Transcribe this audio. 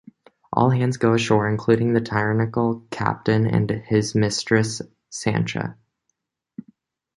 All hands go ashore, including the tyrannical captain and his mistress Sancha.